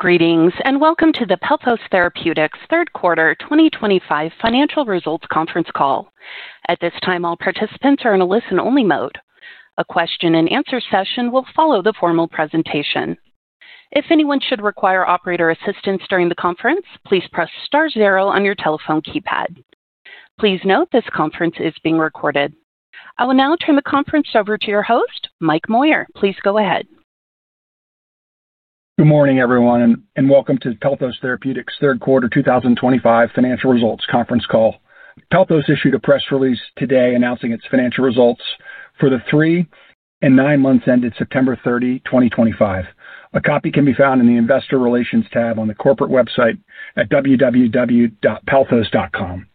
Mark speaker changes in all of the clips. Speaker 1: Greetings and welcome to the Pelthos Therapeutics Third Quarter 2025 Financial Results Conference Call. At this time, all participants are in a listen-only mode. A Q&A session will follow the formal presentation. If anyone should require operator assistance during the conference, please press * zero on your telephone keypad. Please note this conference is being recorded. I will now turn the conference over to your host, Mike Moyer. Please go ahead.
Speaker 2: Good morning, everyone, and welcome to Pelthos Therapeutics Third Quarter 2025 Financial Results Conference Call. Pelthos issued a press release today announcing its financial results for the three and nine months ended September 30, 2025. A copy can be found in the Investor Relations tab on the corporate website at www.pelthos.com.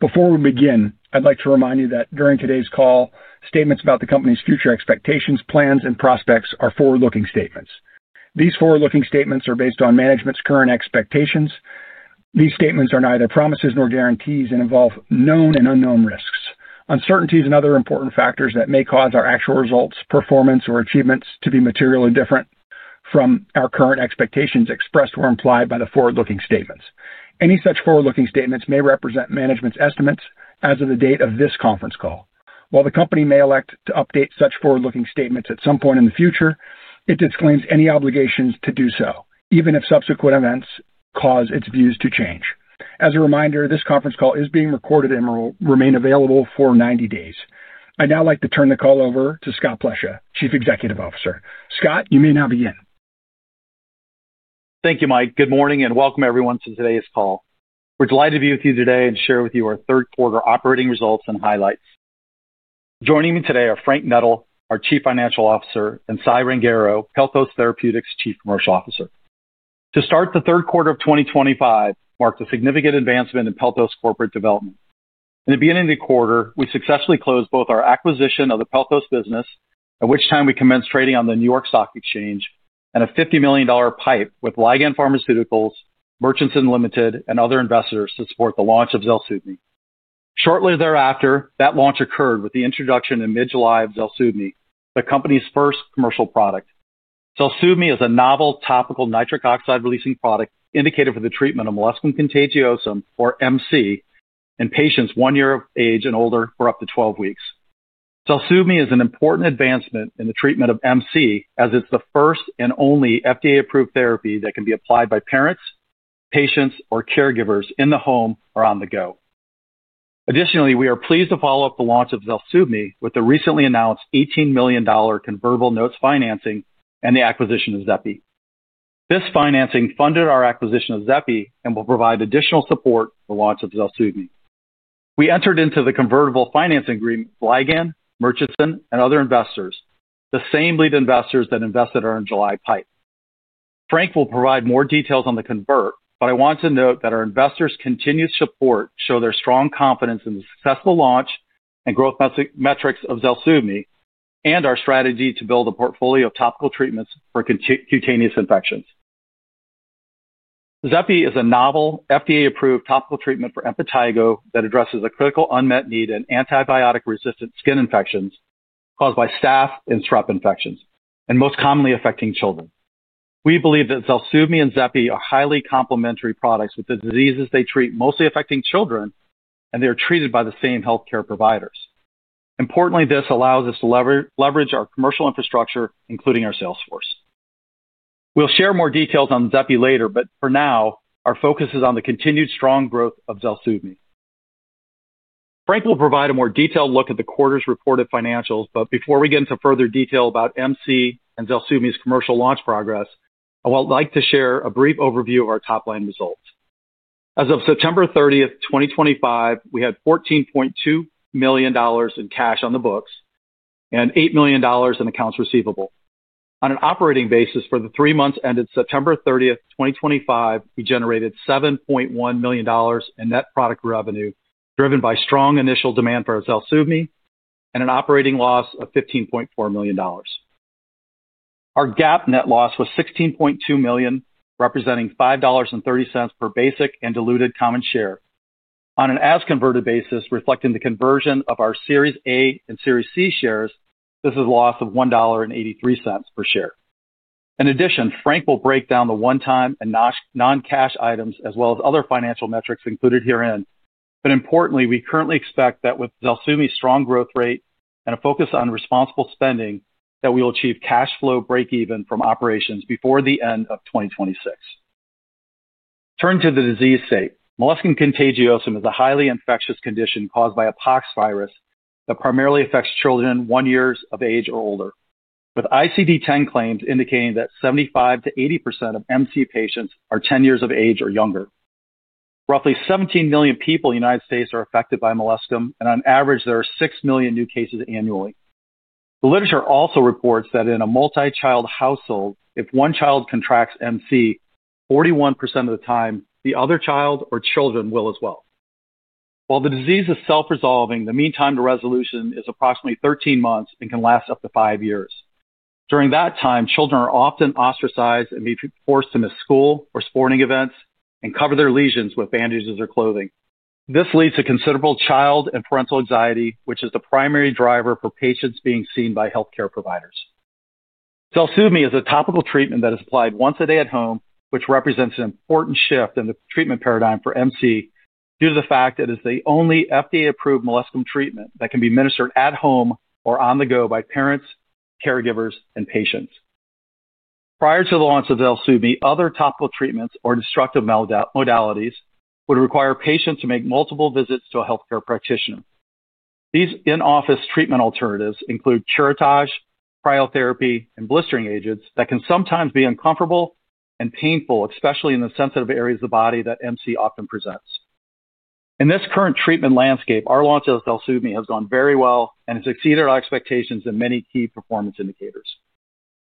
Speaker 2: Before we begin, I'd like to remind you that during today's call, statements about the company's future expectations, plans, and prospects are forward-looking statements. These forward-looking statements are based on management's current expectations. These statements are neither promises nor guarantees and involve known and unknown risks, uncertainties, and other important factors that may cause our actual results, performance, or achievements to be materially different from our current expectations expressed or implied by the forward-looking statements. Any such forward-looking statements may represent management's estimates as of the date of this conference call. While the company may elect to update such forward-looking statements at some point in the future, it disclaims any obligations to do so, even if subsequent events cause its views to change. As a reminder, this conference call is being recorded and will remain available for 90 days. I'd now like to turn the call over to Scott Plesha, Chief Executive Officer. Scott, you may now begin.
Speaker 3: Thank you, Mike. Good morning and welcome, everyone, to today's call. We're delighted to be with you today and share with you our third quarter operating results and highlights. Joining me today are Frank Nettle, our Chief Financial Officer, and Cy Rengaro, Pelthos Therapeutics' Chief Commercial Officer. To start, the third quarter of 2025 marked a significant advancement in Pelthos corporate development. In the beginning of the quarter, we successfully closed both our acquisition of the Pelthos business, at which time we commenced trading on the New York Stock Exchange, and a $50 million PIPE with Ligand Pharmaceuticals, Merchants Unlimited, and other investors to support the launch of ZELSUVMI. Shortly thereafter, that launch occurred with the introduction in mid-July of ZELSUVMI, the company's first commercial product. ZELSUVMI is a novel topical nitric oxide-releasing product indicated for the treatment of molluscum contagiosum, or MC, in patients one year of age and older for up to 12 weeks. ZELSUVMI is an important advancement in the treatment of MC as it's the first and only FDA-approved therapy that can be applied by parents, patients, or caregivers in the home or on the go. Additionally, we are pleased to follow up the launch of ZELSUVMI with the recently announced $18 million convertible notes financing and the acquisition of Xepi. This financing funded our acquisition of Xepi and will provide additional support for the launch of ZELSUVMI. We entered into the convertible financing agreement with Ligand Pharmaceuticals, Merchants Unlimited, and other investors, the same lead investors that invested in our July PIPE. Frank will provide more details on the convert, but I want to note that our investors' continued support shows their strong confidence in the successful launch and growth metrics of ZELSUVMI and our strategy to build a portfolio of topical treatments for cutaneous infections. Xepi is a novel FDA-approved topical treatment for impetigo that addresses a critical unmet need in antibiotic-resistant skin infections caused by staph and strep infections, and most commonly affecting children. We believe that ZELSUVMI and Xepi are highly complementary products with the diseases they treat mostly affecting children, and they are treated by the same healthcare providers. Importantly, this allows us to leverage our commercial infrastructure, including our sales force. We'll share more details on Xepi later, but for now, our focus is on the continued strong growth of ZELSUVMI. Frank will provide a more detailed look at the quarter's reported financials, but before we get into further detail about MC and ZELSUVMI's commercial launch progress, I would like to share a brief overview of our top-line results. As of September 30, 2025, we had $14.2 million in cash on the books and $8 million in accounts receivable. On an operating basis, for the three months ended September 30, 2025, we generated $7.1 million in net product revenue driven by strong initial demand for our ZELSUVMI and an operating loss of $15.4 million. Our GAAP net loss was $16.2 million, representing $5.30 per basic and diluted common share. On an as-converted basis, reflecting the conversion of our Series A and Series C shares, this is a loss of $1.83 per share. In addition, Frank will break down the one-time and non-cash items as well as other financial metrics included herein. Importantly, we currently expect that with ZELSUVMI's strong growth rate and a focus on responsible spending, we will achieve cash flow break-even from operations before the end of 2026. Turning to the disease state, molluscum contagiosum is a highly infectious condition caused by a pox virus that primarily affects children one year of age or older, with ICD-10 claims indicating that 75%-80% of MC patients are 10 years of age or younger. Roughly 17 million people in the United States are affected by molluscum, and on average, there are 6 million new cases annually. The literature also reports that in a multi-child household, if one child contracts MC, 41% of the time the other child or children will as well. While the disease is self-resolving, the mean time to resolution is approximately 13 months and can last up to five years. During that time, children are often ostracized and may be forced to miss school or sporting events and cover their lesions with bandages or clothing. This leads to considerable child and parental anxiety, which is the primary driver for patients being seen by healthcare providers. ZELSUVMI is a topical treatment that is applied once a day at home, which represents an important shift in the treatment paradigm for MC due to the fact that it is the only FDA-approved molluscum treatment that can be administered at home or on the go by parents, caregivers, and patients. Prior to the launch of ZELSUVMI, other topical treatments or destructive modalities would require patients to make multiple visits to a healthcare practitioner. These in-office treatment alternatives include curettage, cryotherapy, and blistering agents that can sometimes be uncomfortable and painful, especially in the sensitive areas of the body that MC often presents. In this current treatment landscape, our launch of ZELSUVMI has gone very well and has exceeded our expectations in many key performance indicators.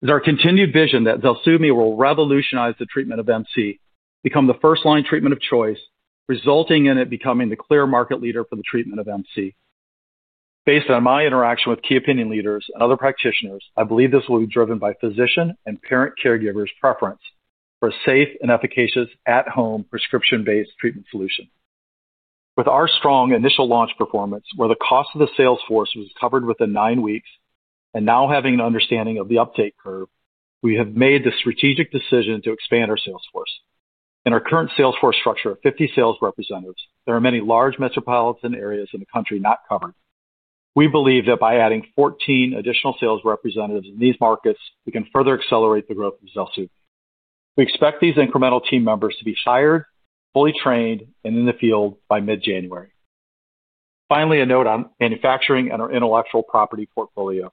Speaker 3: It is our continued vision that ZELSUVMI will revolutionize the treatment of MC, become the first-line treatment of choice, resulting in it becoming the clear market leader for the treatment of MC. Based on my interaction with key opinion leaders and other practitioners, I believe this will be driven by physician and parent-caregiver's preference for a safe and efficacious at-home prescription-based treatment solution. With our strong initial launch performance, where the cost of the sales force was covered within nine weeks and now having an understanding of the uptake curve, we have made the strategic decision to expand our sales force. In our current sales force structure of 50 sales representatives, there are many large metropolitan areas in the country not covered. We believe that by adding 14 additional sales representatives in these markets, we can further accelerate the growth of ZELSUVMI. We expect these incremental team members to be hired, fully trained, and in the field by mid-January. Finally, a note on manufacturing and our intellectual property portfolio.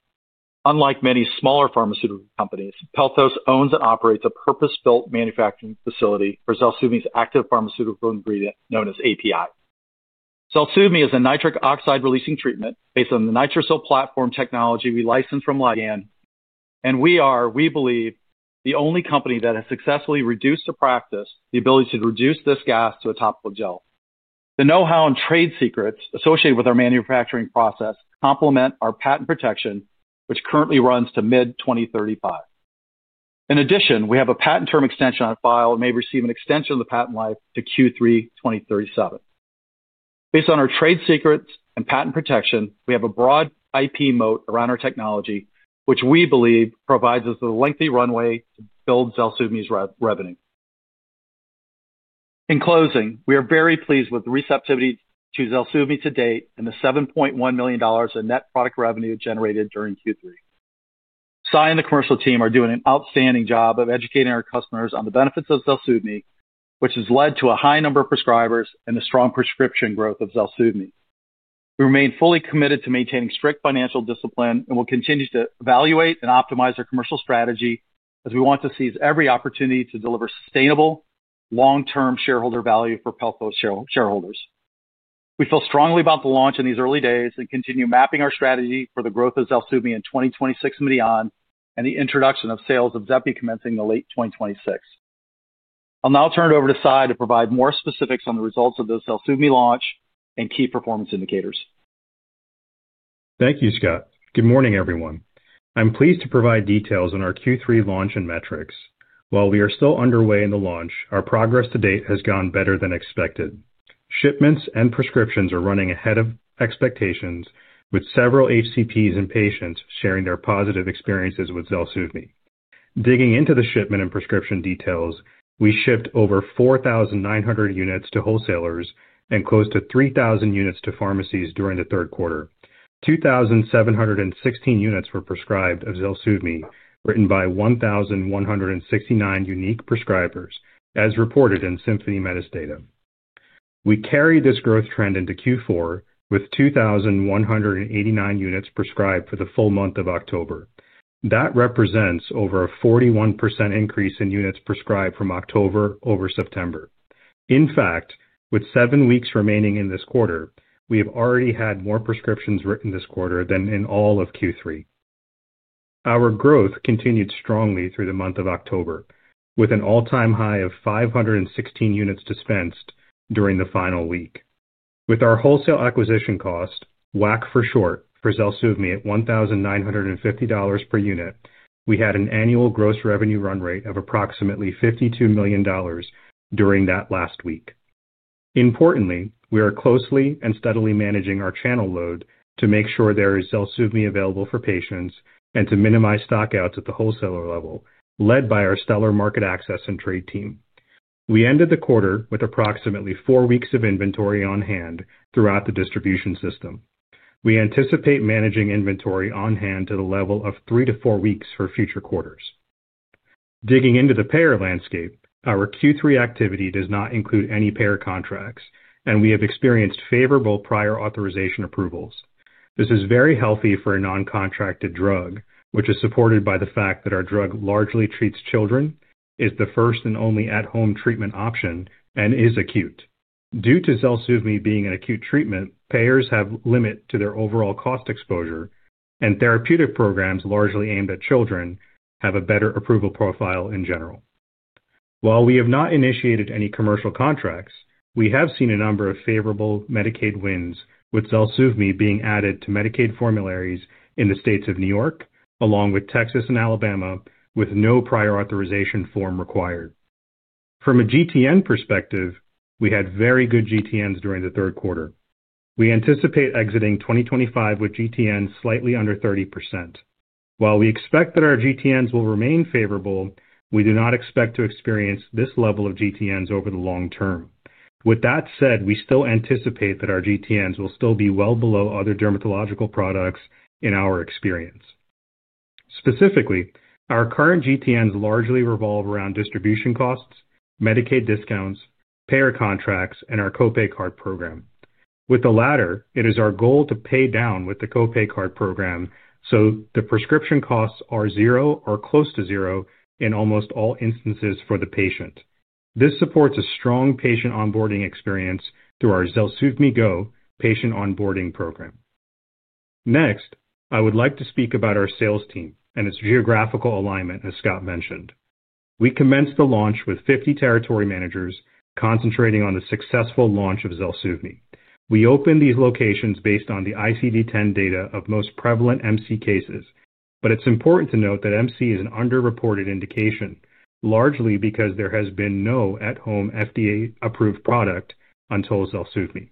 Speaker 3: Unlike many smaller pharmaceutical companies, Pelthos owns and operates a purpose-built manufacturing facility for ZELSUVMI's active pharmaceutical ingredient known as API. ZELSUVMI is a nitric oxide-releasing treatment based on the NitroSil platform technology we licensed from Ligand, and we are, we believe, the only company that has successfully reduced the practice, the ability to reduce this gas to a topical gel. The know-how and trade secrets associated with our manufacturing process complement our patent protection, which currently runs to mid-2035. In addition, we have a patent term extension on file and may receive an extension of the patent life to Q3 2037. Based on our trade secrets and patent protection, we have a broad IP moat around our technology, which we believe provides us a lengthy runway to build ZELSUVMI's revenue. In closing, we are very pleased with the receptivity to ZELSUVMI to date and the $7.1 million in net product revenue generated during Q3. Cy and the commercial team are doing an outstanding job of educating our customers on the benefits of ZELSUVMI, which has led to a high number of prescribers and the strong prescription growth of ZELSUVMI. We remain fully committed to maintaining strict financial discipline and will continue to evaluate and optimize our commercial strategy as we want to seize every opportunity to deliver sustainable, long-term shareholder value for Pelthos shareholders. We feel strongly about the launch in these early days and continue mapping our strategy for the growth of ZELSUVMI in 2026 and beyond and the introduction of sales of Xepi commencing in late 2026. I'll now turn it over to Cy to provide more specifics on the results of the ZELSUVMI launch and key performance indicators.
Speaker 4: Thank you, Scott. Good morning, everyone. I'm pleased to provide details on our Q3 launch and metrics. While we are still underway in the launch, our progress to date has gone better than expected. Shipments and prescriptions are running ahead of expectations, with several HCPs and patients sharing their positive experiences with ZELSUVMI. Digging into the shipment and prescription details, we shipped over 4,900 units to wholesalers and close to 3,000 units to pharmacies during the third quarter. 2,716 units were prescribed of ZELSUVMI, written by 1,169 unique prescribers, as reported in Symphony Metadata. We carry this growth trend into Q4 with 2,189 units prescribed for the full month of October. That represents over a 41% increase in units prescribed from October over September. In fact, with seven weeks remaining in this quarter, we have already had more prescriptions written this quarter than in all of Q3. Our growth continued strongly through the month of October, with an all-time high of 516 units dispensed during the final week. With our wholesale acquisition cost, WAC for short, for ZELSUVMI at $1,950 per unit, we had an annual gross revenue run rate of approximately $52 million during that last week. Importantly, we are closely and steadily managing our channel load to make sure there is ZELSUVMI available for patients and to minimize stockouts at the wholesaler level, led by our stellar market access and trade team. We ended the quarter with approximately four weeks of inventory on hand throughout the distribution system. We anticipate managing inventory on hand to the level of three to four weeks for future quarters. Digging into the payer landscape, our Q3 activity does not include any payer contracts, and we have experienced favorable prior authorization approvals. This is very healthy for a non-contracted drug, which is supported by the fact that our drug largely treats children, is the first and only at-home treatment option, and is acute. Due to ZELSUVMI being an acute treatment, payers have a limit to their overall cost exposure, and therapeutic programs largely aimed at children have a better approval profile in general. While we have not initiated any commercial contracts, we have seen a number of favorable Medicaid wins, with ZELSUVMI being added to Medicaid formularies in the states of New York, along with Texas and Alabama, with no prior authorization form required. From a GTN perspective, we had very good GTNs during the third quarter. We anticipate exiting 2025 with GTNs slightly under 30%. While we expect that our GTNs will remain favorable, we do not expect to experience this level of GTNs over the long term. With that said, we still anticipate that our GTNs will still be well below other dermatological products in our experience. Specifically, our current GTNs largely revolve around distribution costs, Medicaid discounts, payer contracts, and our copay card program. With the latter, it is our goal to pay down with the copay card program so the prescription costs are zero or close to zero in almost all instances for the patient. This supports a strong patient onboarding experience through our ZELSUVMI Go patient onboarding program. Next, I would like to speak about our sales team and its geographical alignment, as Scott mentioned. We commenced the launch with 50 territory managers concentrating on the successful launch of ZELSUVMI. We opened these locations based on the ICD-10 data of most prevalent MC cases, but it's important to note that MC is an underreported indication, largely because there has been no at-home FDA-approved product until ZELSUVMI.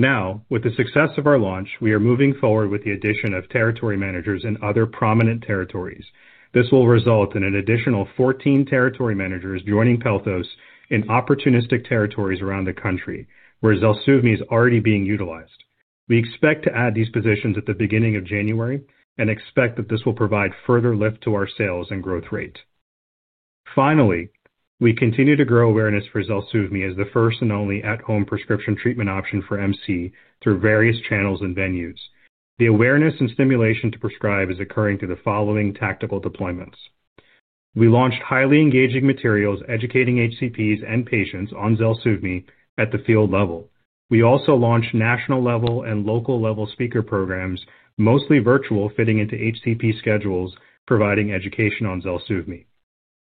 Speaker 4: Now, with the success of our launch, we are moving forward with the addition of territory managers in other prominent territories. This will result in an additional 14 territory managers joining Pelthos in opportunistic territories around the country where ZELSUVMI is already being utilized. We expect to add these positions at the beginning of January and expect that this will provide further lift to our sales and growth rate. Finally, we continue to grow awareness for ZELSUVMI as the first and only at-home prescription treatment option for MC through various channels and venues. The awareness and stimulation to prescribe is occurring through the following tactical deployments. We launched highly engaging materials educating HCPs and patients on ZELSUVMI at the field level. We also launched national-level and local-level speaker programs, mostly virtual, fitting into HCP schedules, providing education on ZELSUVMI.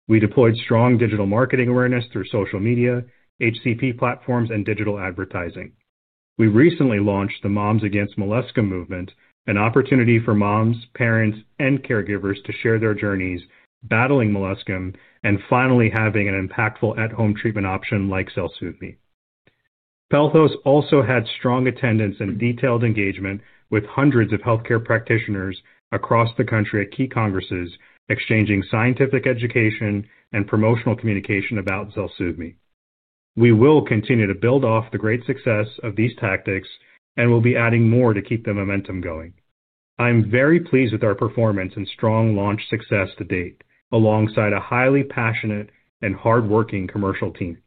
Speaker 4: We deployed strong digital marketing awareness through social media, HCP platforms, and digital advertising. We recently launched the Moms Against Molluscum movement, an opportunity for moms, parents, and caregivers to share their journeys battling molluscum and finally having an impactful at-home treatment option like ZELSUVMI. Pelthos also had strong attendance and detailed engagement with hundreds of healthcare practitioners across the country at key congresses, exchanging scientific education and promotional communication about ZELSUVMI. We will continue to build off the great success of these tactics and will be adding more to keep the momentum going. I'm very pleased with our performance and strong launch success to date, alongside a highly passionate and hardworking commercial team.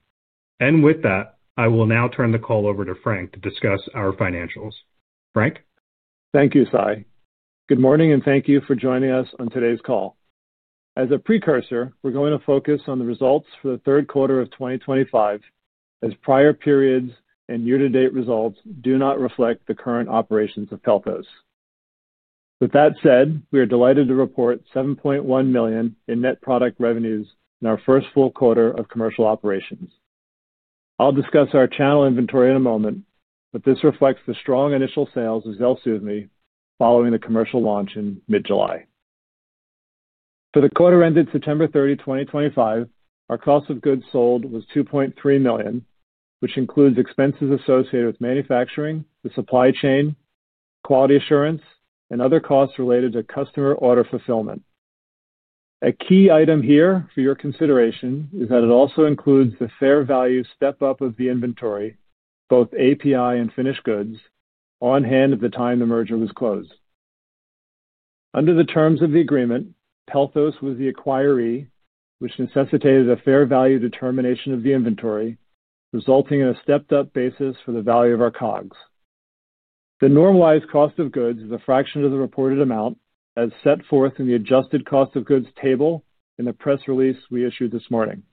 Speaker 4: With that, I will now turn the call over to Frank to discuss our financials. Frank?
Speaker 5: Thank you, Cy. Good morning, and thank you for joining us on today's call. As a precursor, we're going to focus on the results for the third quarter of 2025, as prior periods and year-to-date results do not reflect the current operations of Pelthos. With that said, we are delighted to report $7.1 million in net product revenues in our first full quarter of commercial operations. I'll discuss our channel inventory in a moment, but this reflects the strong initial sales of ZELSUVMI following the commercial launch in mid-July. For the quarter ended September 30, 2025, our cost of goods sold was $2.3 million, which includes expenses associated with manufacturing, the supply chain, quality assurance, and other costs related to customer order fulfillment. A key item here for your consideration is that it also includes the fair value step-up of the inventory, both API and finished goods, on hand at the time the merger was closed. Under the terms of the agreement, Pelthos was the acquiree, which necessitated a fair value determination of the inventory, resulting in a stepped-up basis for the value of our COGS. The normalized cost of goods is a fraction of the reported amount as set forth in the adjusted cost of goods table in the press release we issued this morning.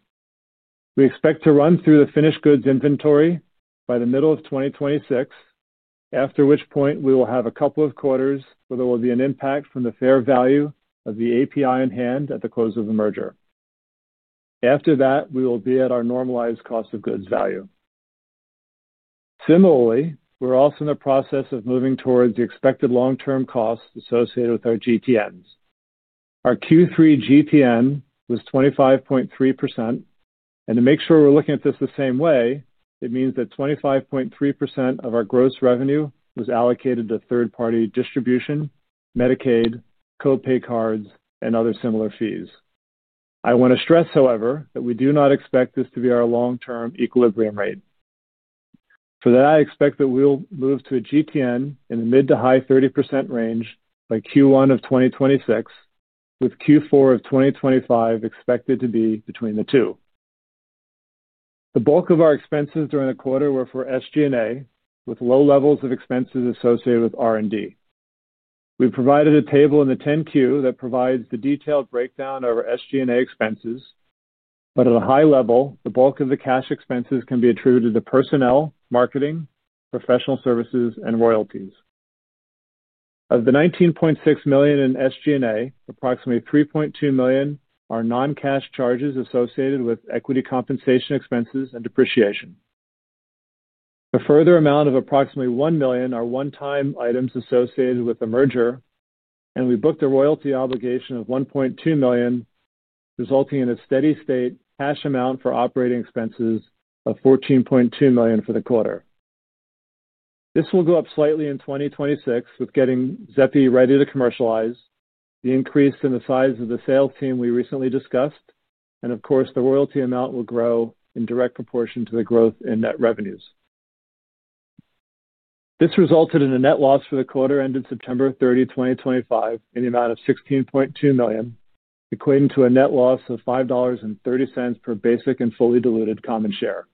Speaker 5: We expect to run through the finished goods inventory by the middle of 2026, after which point we will have a couple of quarters where there will be an impact from the fair value of the API in hand at the close of the merger. After that, we will be at our normalized cost of goods value. Similarly, we're also in the process of moving towards the expected long-term costs associated with our GTNs. Our Q3 GTN was 25.3%, and to make sure we're looking at this the same way, it means that 25.3% of our gross revenue was allocated to third-party distribution, Medicaid, copay cards, and other similar fees. I want to stress, however, that we do not expect this to be our long-term equilibrium rate. For that, I expect that we'll move to a GTN in the mid- to high-30% range by Q1 of 2026, with Q4 of 2025 expected to be between the two. The bulk of our expenses during the quarter were for SG&A, with low levels of expenses associated with R&D. We provided a table in the 10Q that provides the detailed breakdown of our SG&A expenses, but at a high level, the bulk of the cash expenses can be attributed to personnel, marketing, professional services, and royalties. Of the $19.6 million in SG&A, approximately $3.2 million are non-cash charges associated with equity compensation expenses and depreciation. The further amount of approximately $1 million are one-time items associated with the merger, and we booked a royalty obligation of $1.2 million, resulting in a steady-state cash amount for operating expenses of $14.2 million for the quarter. This will go up slightly in 2026, with getting Xepi ready to commercialize, the increase in the size of the sales team we recently discussed, and of course, the royalty amount will grow in direct proportion to the growth in net revenues. This resulted in a net loss for the quarter ended September 30, 2025, in the amount of $16.2 million, equating to a net loss of $5.30 per basic and fully diluted common share.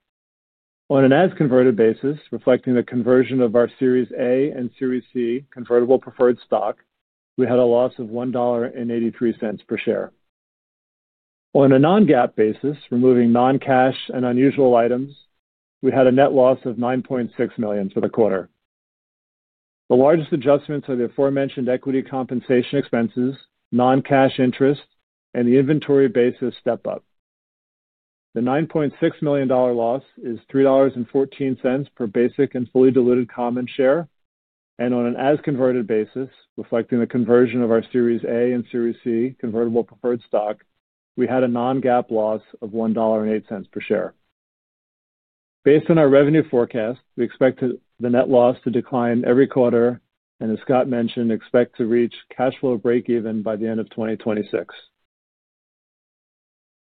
Speaker 5: On an as-converted basis, reflecting the conversion of our Series A and Series C convertible preferred stock, we had a loss of $1.83 per share. On a non-GAAP basis, removing non-cash and unusual items, we had a net loss of $9.6 million for the quarter. The largest adjustments are the aforementioned equity compensation expenses, non-cash interest, and the inventory basis step-up. The $9.6 million loss is $3.14 per basic and fully diluted common share, and on an as-converted basis, reflecting the conversion of our Series A and Series C convertible preferred stock, we had a non-GAAP loss of $1.08 per share. Based on our revenue forecast, we expect the net loss to decline every quarter, and as Scott mentioned, expect to reach cash flow break-even by the end of 2026.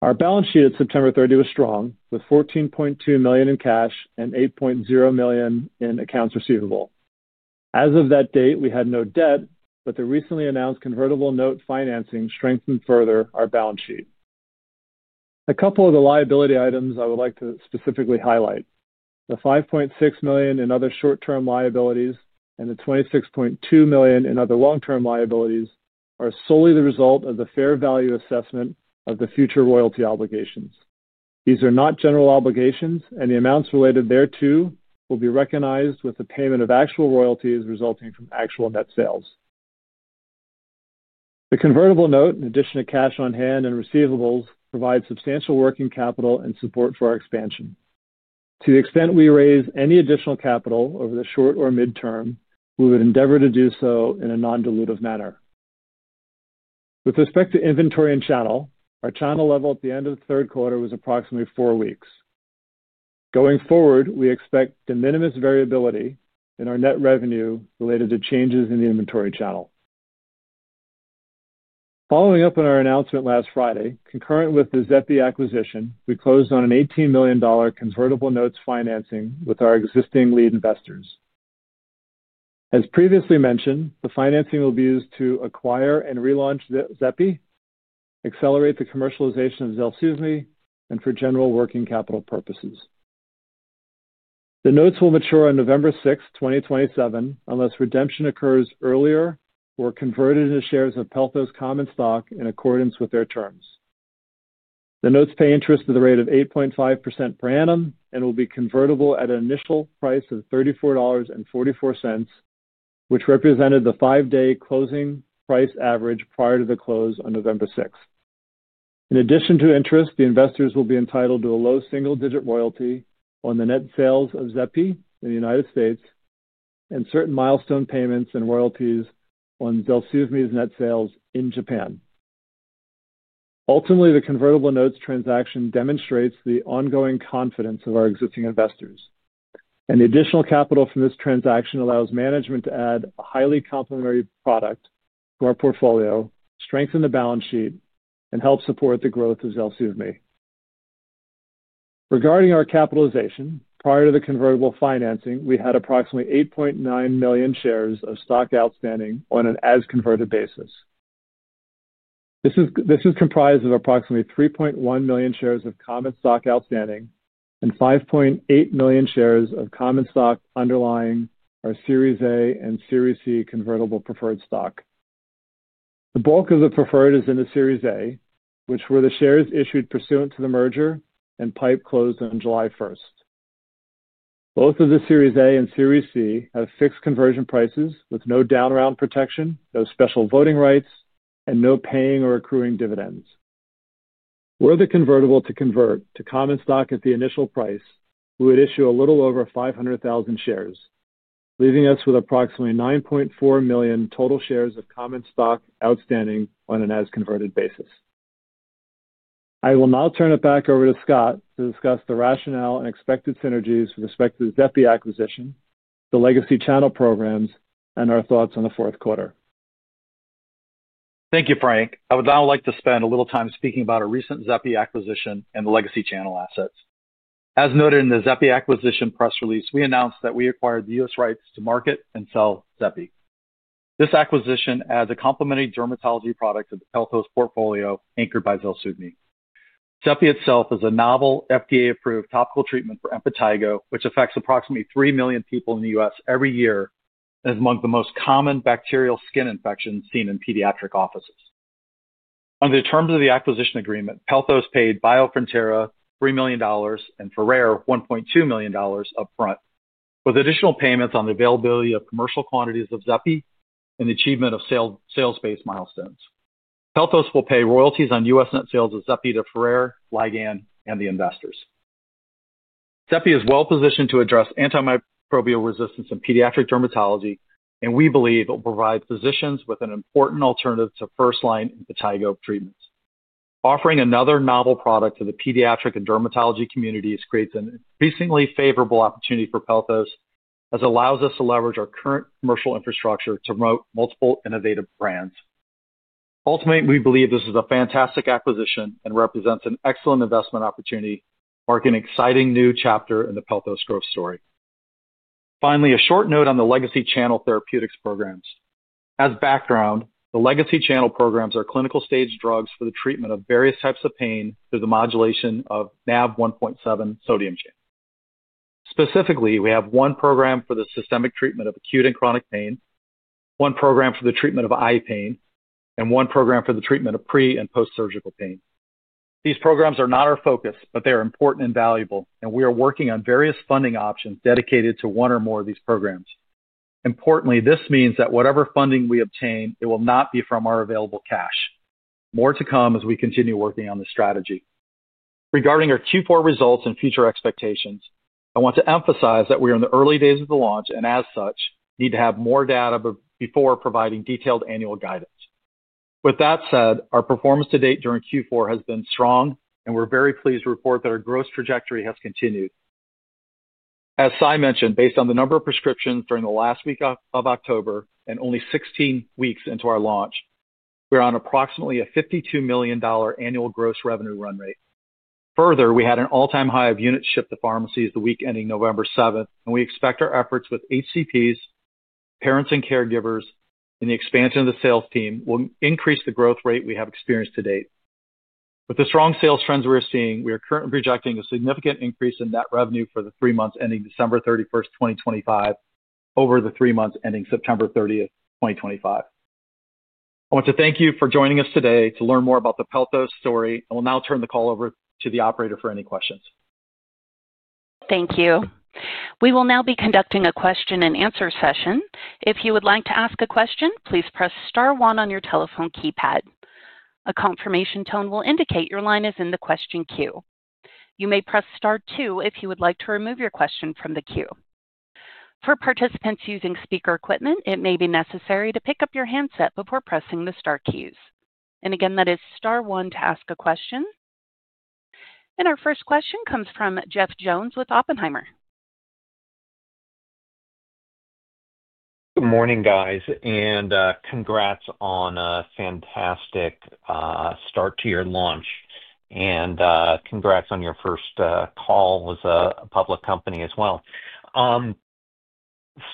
Speaker 5: Our balance sheet at September 30 was strong, with $14.2 million in cash and $8.0 million in accounts receivable. As of that date, we had no debt, but the recently announced convertible note financing strengthened further our balance sheet. A couple of the liability items I would like to specifically highlight. The $5.6 million in other short-term liabilities and the $26.2 million in other long-term liabilities are solely the result of the fair value assessment of the future royalty obligations. These are not general obligations, and the amounts related thereto, we'll be recognized with the payment of actual royalties resulting from actual net sales. The convertible note, in addition to cash on hand and receivables, provides substantial working capital and support for our expansion. To the extent we raise any additional capital over the short or midterm, we would endeavor to do so in a non-dilutive manner. With respect to inventory and channel, our channel level at the end of the third quarter was approximately four weeks. Going forward, we expect de minimis variability in our net revenue related to changes in the inventory channel. Following up on our announcement last Friday, concurrent with the Xepi acquisition, we closed on an $18 million convertible notes financing with our existing lead investors. As previously mentioned, the financing will be used to acquire and relaunch Xepi, accelerate the commercialization of ZELSUVMI, and for general working capital purposes. The notes will mature on November 6, 2027, unless redemption occurs earlier or converted into shares of Pelthos Common Stock in accordance with their terms. The notes pay interest at the rate of 8.5% per annum and will be convertible at an initial price of $34.44, which represented the five-day closing price average prior to the close on November 6. In addition to interest, the investors will be entitled to a low single-digit royalty on the net sales of Xepi in the United States and certain milestone payments and royalties on ZELSUVMI's net sales in Japan. Ultimately, the convertible notes transaction demonstrates the ongoing confidence of our existing investors. The additional capital from this transaction allows management to add a highly complementary product to our portfolio, strengthen the balance sheet, and help support the growth of ZELSUVMI. Regarding our capitalization, prior to the convertible financing, we had approximately 8.9 million shares of stock outstanding on an as-converted basis. This is comprised of approximately 3.1 million shares of common stock outstanding and 5.8 million shares of common stock underlying our Series A and Series C convertible preferred stock. The bulk of the preferred is in the Series A, which were the shares issued pursuant to the merger and PIPE closed on July 1. Both of the Series A and Series C have fixed conversion prices with no down-round protection, no special voting rights, and no paying or accruing dividends. Were the convertible to convert to common stock at the initial price, we would issue a little over 500,000 shares, leaving us with approximately 9.4 million total shares of common stock outstanding on an as-converted basis. I will now turn it back over to Scott to discuss the rationale and expected synergies with respect to the Xepi acquisition, the legacy channel programs, and our thoughts on the fourth quarter.
Speaker 3: Thank you, Frank. I would now like to spend a little time speaking about a recent Xepi acquisition and the legacy channel assets. As noted in the Xepi Acquisition Press Release, we announced that we acquired the U.S. rights to market and sell Xepi. This acquisition adds a complementary dermatology product to the Pelthos portfolio anchored by ZELSUVMI. Xepi itself is a novel FDA-approved topical treatment for impetigo, which affects approximately 3 million people in the U.S. every year and is among the most common bacterial skin infections seen in pediatric offices. Under the terms of the acquisition agreement, Pelthos paid BioFrontera $3 million and Ferrer $1.2 million upfront, with additional payments on the availability of commercial quantities of Xepi and the achievement of sales-based milestones. Pelthos will pay royalties on U.S. net sales of Xepi to Ferrer, Ligand, and the investors. Xepi is well-positioned to address antimicrobial resistance in pediatric dermatology, and we believe it will provide physicians with an important alternative to first-line impetigo treatments. Offering another novel product to the pediatric and dermatology communities creates an increasingly favorable opportunity for Pelthos, as it allows us to leverage our current commercial infrastructure to promote multiple innovative brands. Ultimately, we believe this is a fantastic acquisition and represents an excellent investment opportunity marking an exciting new chapter in the Pelthos growth story. Finally, a short note on the legacy Channel Therapeutics programs. As background, the legacy Channel programs are clinical-stage drugs for the treatment of various types of pain through the modulation of Nav1.7 sodium channel. Specifically, we have one program for the systemic treatment of acute and chronic pain, one program for the treatment of eye pain, and one program for the treatment of pre- and post-surgical pain. These programs are not our focus, but they are important and valuable, and we are working on various funding options dedicated to one or more of these programs. Importantly, this means that whatever funding we obtain, it will not be from our available cash. More to come as we continue working on the strategy. Regarding our Q4 results and future expectations, I want to emphasize that we are in the early days of the launch and, as such, need to have more data before providing detailed annual guidance. With that said, our performance to date during Q4 has been strong, and we're very pleased to report that our growth trajectory has continued. As Cy mentioned, based on the number of prescriptions during the last week of October and only 16 weeks into our launch, we're on approximately a $52 million annual gross revenue run rate. Further, we had an all-time high of units shipped to pharmacies the week ending November 7, and we expect our efforts with HCPs, parents and caregivers, and the expansion of the sales team will increase the growth rate we have experienced to date. With the strong sales trends we're seeing, we are currently projecting a significant increase in net revenue for the three months ending December 31, 2025, over the three months ending September 30, 2025. I want to thank you for joining us today to learn more about the Pelthos story, and we'll now turn the call over to the operator for any questions.
Speaker 1: Thank you. We will now be conducting a Q&A session. If you would like to ask a question, please press * one on your telephone keypad. A confirmation tone will indicate your line is in the question queue. You may press * two if you would like to remove your question from the queue. For participants using speaker equipment, it may be necessary to pick up your handset before pressing the * keys. That is * one to ask a question. Our first question comes from Jeff Jones with Oppenheimer.
Speaker 6: Good morning, guys, and congrats on a fantastic start to your launch. And congrats on your first call as a public company as well.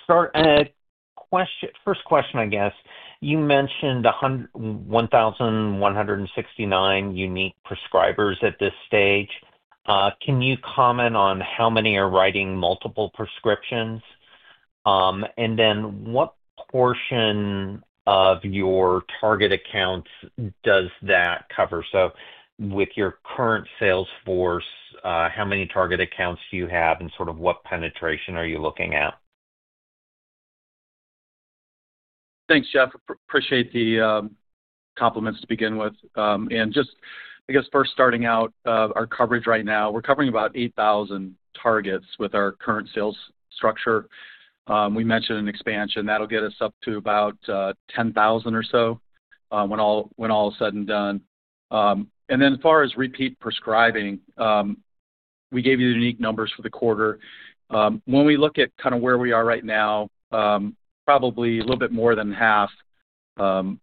Speaker 6: First question, I guess. You mentioned 1,169 unique prescribers at this stage. Can you comment on how many are writing multiple prescriptions? And then what portion of your target accounts does that cover? With your current sales force, how many target accounts do you have, and sort of what penetration are you looking at?
Speaker 3: Thanks, Jeff. Appreciate the compliments to begin with. Just, I guess, first starting out our coverage right now, we're covering about 8,000 targets with our current sales structure. We mentioned an expansion. That'll get us up to about 10,000 or so when all is said and done. As far as repeat prescribing, we gave you the unique numbers for the quarter. When we look at kind of where we are right now, probably a little bit more than half, 60%,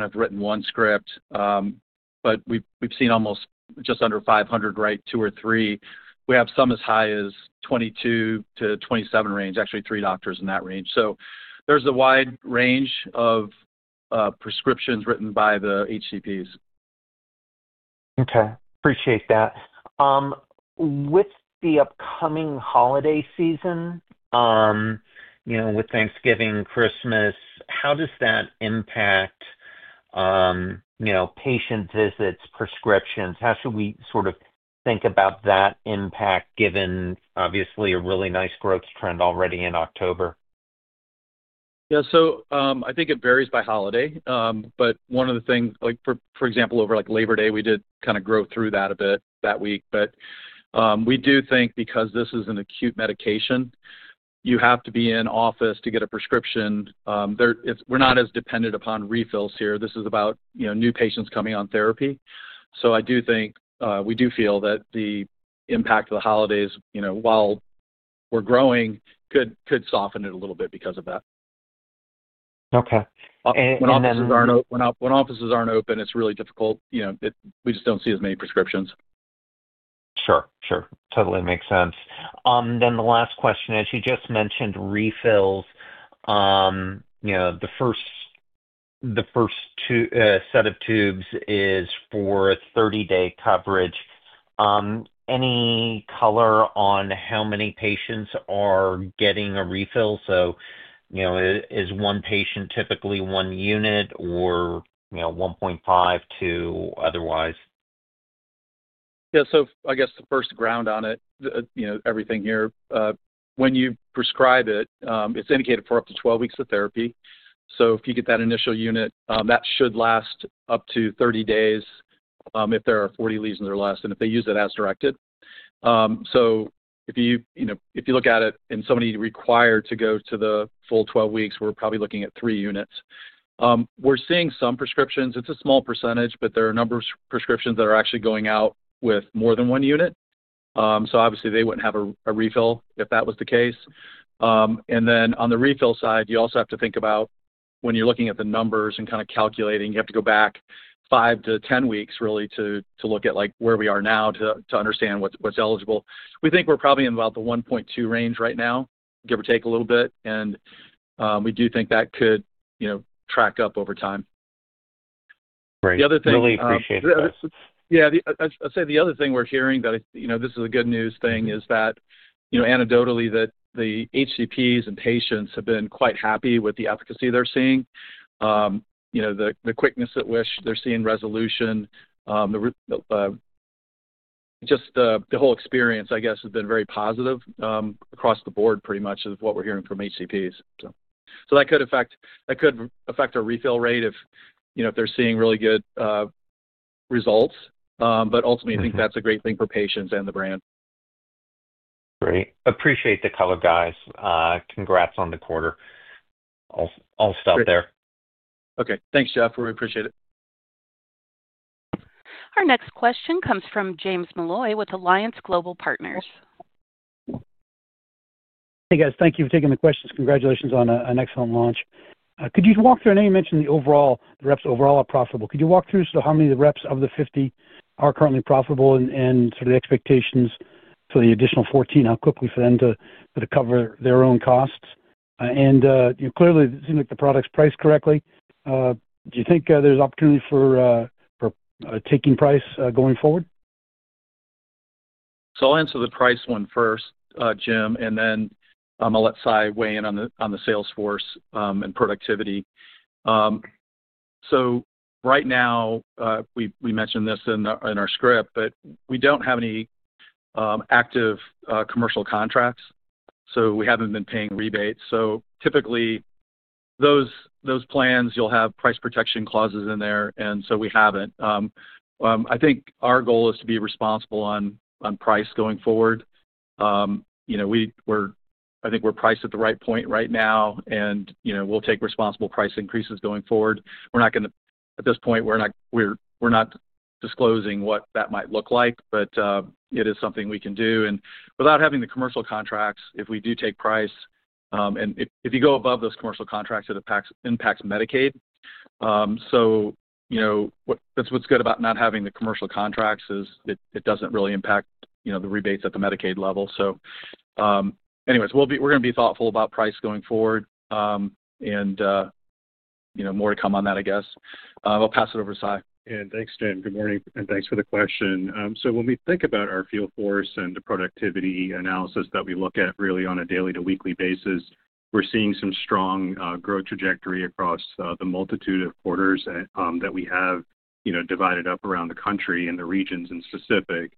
Speaker 3: have written one script, but we've seen almost just under 500 write two or three. We have some as high as 22-27 range, actually three doctors in that range. There is a wide range of prescriptions written by the HCPs.
Speaker 6: Okay. Appreciate that. With the upcoming holiday season, with Thanksgiving, Christmas, how does that impact patient visits, prescriptions? How should we sort of think about that impact given, obviously, a really nice growth trend already in October?
Speaker 3: Yeah. I think it varies by holiday. One of the things, for example, over Labor Day, we did kind of grow through that a bit that week. We do think because this is an acute medication, you have to be in office to get a prescription. We're not as dependent upon refills here. This is about new patients coming on therapy. I do think we do feel that the impact of the holidays, while we're growing, could soften it a little bit because of that.
Speaker 6: Okay. And then.
Speaker 3: When offices aren't open, it's really difficult. We just don't see as many prescriptions.
Speaker 6: Sure. Sure. Totally makes sense. The last question, as you just mentioned, refills. The first set of tubes is for a 30-day coverage. Any color on how many patients are getting a refill? Is one patient typically one unit or 1.5 to otherwise?
Speaker 3: Yeah. I guess the first ground on it, everything here, when you prescribe it, it's indicated for up to 12 weeks of therapy. If you get that initial unit, that should last up to 30 days if there are 40 lesions or less, and if they use it as directed. If you look at it and somebody required to go to the full 12 weeks, we're probably looking at three units. We're seeing some prescriptions. It's a small percentage, but there are a number of prescriptions that are actually going out with more than one unit. Obviously, they wouldn't have a refill if that was the case. On the refill side, you also have to think about when you're looking at the numbers and kind of calculating, you have to go back 5-10 weeks, really, to look at where we are now to understand what's eligible. We think we're probably in about the 1.2 range right now, give or take a little bit. We do think that could track up over time.
Speaker 6: Great. Really appreciate that.
Speaker 3: Yeah. I'd say the other thing we're hearing that this is a good news thing is that anecdotally that the HCPs and patients have been quite happy with the efficacy they're seeing, the quickness at which they're seeing resolution. Just the whole experience, I guess, has been very positive across the board pretty much of what we're hearing from HCPs. That could affect our refill rate if they're seeing really good results. Ultimately, I think that's a great thing for patients and the brand.
Speaker 6: Great. Appreciate the color, guys. Congrats on the quarter. I'll stop there.
Speaker 3: Okay. Thanks, Jeff. We appreciate it.
Speaker 1: Our next question comes from James Molloy with Alliance Global Partners.
Speaker 7: Hey, guys. Thank you for taking the questions. Congratulations on an excellent launch. Could you walk through—I know you mentioned the reps overall are profitable. Could you walk through sort of how many of the reps of the 50 are currently profitable and sort of the expectations for the additional 14, how quickly for them to cover their own costs? It clearly seemed like the product's priced correctly. Do you think there's opportunity for taking price going forward?
Speaker 3: I'll answer the price one first, James, and then I'll let Cy weigh in on the sales force and productivity. Right now, we mentioned this in our script, but we do not have any active commercial contracts. We have not been paying rebates. Typically, those plans will have price protection clauses in there, and we have not. I think our goal is to be responsible on price going forward. I think we are priced at the right point right now, and we will take responsible price increases going forward. At this point, we are not disclosing what that might look like, but it is something we can do. Without having the commercial contracts, if we do take price and if you go above those commercial contracts, it impacts Medicaid. What is good about not having the commercial contracts is it does not really impact the rebates at the Medicaid level. Anyways, we're going to be thoughtful about price going forward and more to come on that, I guess. I'll pass it over to Cy.
Speaker 4: Thanks, James. Good morning, and thanks for the question. When we think about our field force and the productivity analysis that we look at really on a daily to weekly basis, we're seeing some strong growth trajectory across the multitude of quarters that we have divided up around the country and the regions in specific.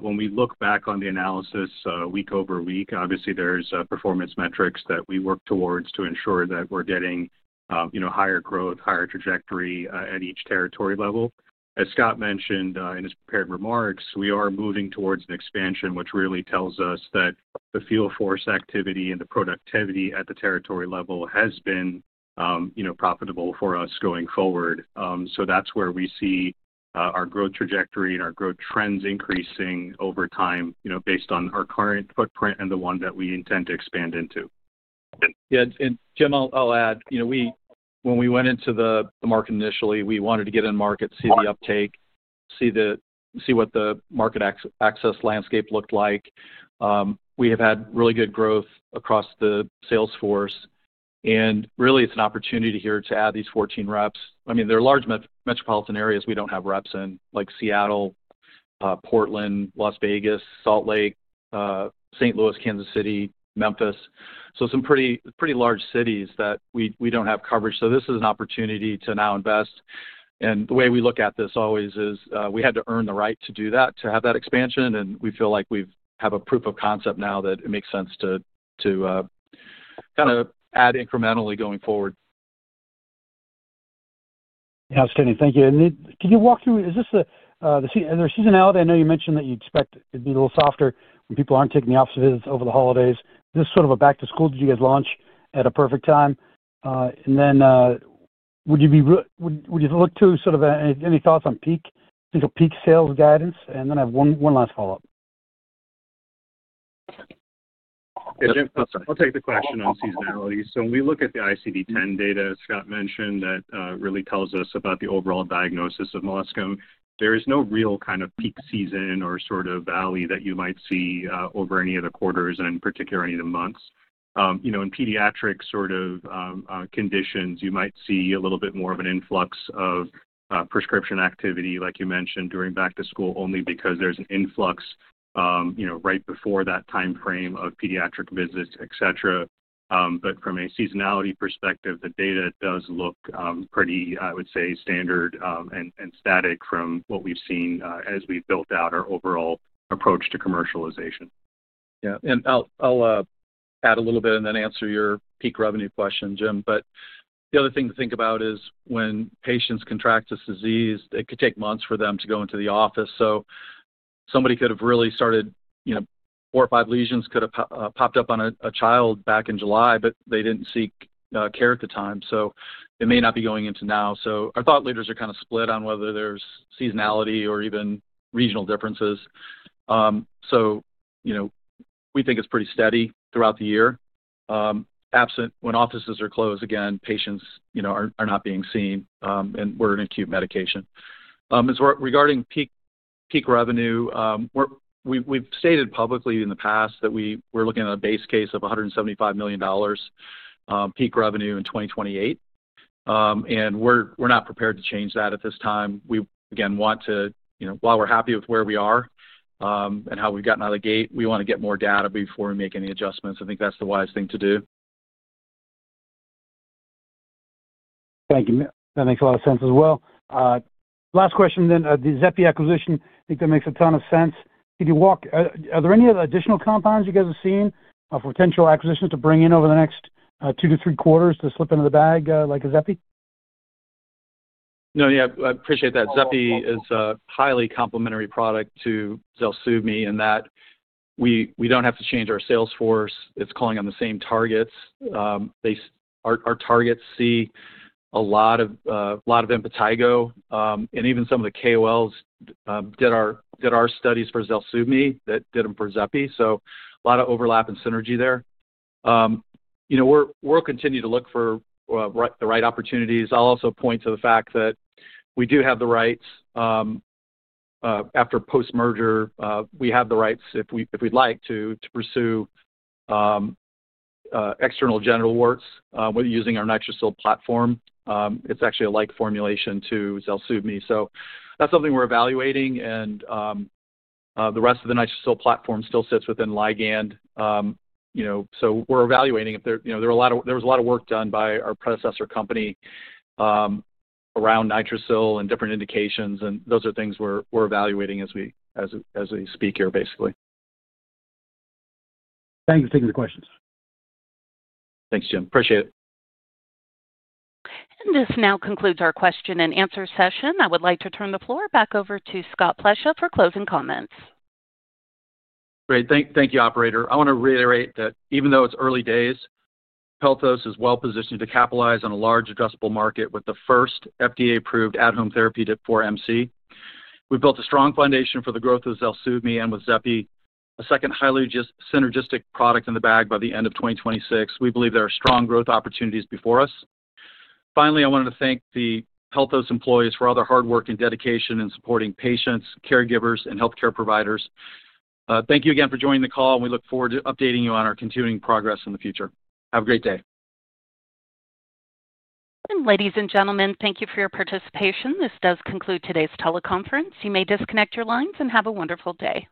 Speaker 4: When we look back on the analysis week over week, obviously, there's performance metrics that we work towards to ensure that we're getting higher growth, higher trajectory at each territory level. As Scott mentioned in his prepared remarks, we are moving towards an expansion, which really tells us that the field force activity and the productivity at the territory level has been profitable for us going forward. That's where we see our growth trajectory and our growth trends increasing over time based on our current footprint and the one that we intend to expand into.
Speaker 3: Yeah. And James, I'll add. When we went into the market initially, we wanted to get in the market, see the uptake, see what the market access landscape looked like. We have had really good growth across the sales force. And really, it's an opportunity here to add these 14 reps. I mean, there are large metropolitan areas we don't have reps in, like Seattle, Portland, Las Vegas, Salt Lake, St. Louis, Kansas City, Memphis. Some pretty large cities that we don't have coverage. This is an opportunity to now invest. The way we look at this always is we had to earn the right to do that, to have that expansion. We feel like we have a proof of concept now that it makes sense to kind of add incrementally going forward.
Speaker 7: Yeah. Scott, thank you. Could you walk through, is this the seasonality? I know you mentioned that you expect it’d be a little softer when people aren’t taking the office visits over the holidays. This is sort of a back-to-school. Did you guys launch at a perfect time? Would you look to sort of any thoughts on sales guidance? I have one last follow-up.
Speaker 4: Yeah. I'll take the question on seasonality. When we look at the ICD-10 data Scott mentioned that really tells us about the overall diagnosis of molluscum, there is no real kind of peak season or sort of valley that you might see over any of the quarters and particularly the months. In pediatric sort of conditions, you might see a little bit more of an influx of prescription activity, like you mentioned, during back-to-school only because there's an influx right before that timeframe of pediatric visits, etc. From a seasonality perspective, the data does look pretty, I would say, standard and static from what we've seen as we've built out our overall approach to commercialization.
Speaker 3: Yeah. I'll add a little bit and then answer your peak revenue question, Jim. The other thing to think about is when patients contract this disease, it could take months for them to go into the office. Somebody could have really started, four or five lesions could have popped up on a child back in July, but they didn't seek care at the time. It may not be going into now. Our thought leaders are kind of split on whether there's seasonality or even regional differences. We think it's pretty steady throughout the year. When offices are closed, patients are not being seen, and we're an acute medication. Regarding peak revenue, we've stated publicly in the past that we're looking at a base case of $175 million peak revenue in 2028. We're not prepared to change that at this time. We, again, want to, while we're happy with where we are and how we've gotten out of the gate, we want to get more data before we make any adjustments. I think that's the wise thing to do.
Speaker 7: Thank you. That makes a lot of sense as well. Last question then. The Xepi acquisition, I think that makes a ton of sense. Are there any additional compounds you guys have seen for potential acquisitions to bring in over the next two to three quarters to slip into the bag like a Xepi?
Speaker 3: No. Yeah. I appreciate that. Xepi is a highly complementary product to ZELSUVMI in that we do not have to change our sales force. It is calling on the same targets. Our targets see a lot of impetigo. And even some of the KOLs did our studies for ZELSUVMI that did them for Xepi. So a lot of overlap and synergy there. We will continue to look for the right opportunities. I will also point to the fact that we do have the rights after post-merger. We have the rights, if we would like, to pursue external genital warts using our NitroSil platform. It is actually a like formulation to ZELSUVMI. That is something we are evaluating. The rest of the NitroSil platform still sits within Ligand. We are evaluating if there is a lot of work done by our predecessor company around NitroSil and different indications. Those are things we're evaluating as we speak here, basically.
Speaker 7: Thank you for taking the questions.
Speaker 3: Thanks, Jim. Appreciate it.
Speaker 1: This now concludes our question and answer session. I would like to turn the floor back over to Scott Plesha for closing comments.
Speaker 3: Great. Thank you, operator. I want to reiterate that even though it's early days, Pelthos is well positioned to capitalize on a large addressable market with the first FDA-approved at-home therapeutic for MC. We've built a strong foundation for the growth of ZELSUVMI and with Xepi, a second highly synergistic product in the bag by the end of 2026. We believe there are strong growth opportunities before us. Finally, I wanted to thank the Pelthos employees for all their hard work and dedication in supporting patients, caregivers, and healthcare providers. Thank you again for joining the call, and we look forward to updating you on our continuing progress in the future. Have a great day.
Speaker 1: Ladies and gentlemen, thank you for your participation. This does conclude today's teleconference. You may disconnect your lines and have a wonderful day.